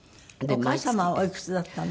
お母様おいくつだったの？